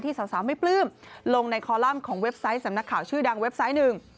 สาวไม่ปลื้มลงในคอลัมป์ของเว็บไซต์สำนักข่าวชื่อดังเว็บไซต์หนึ่ง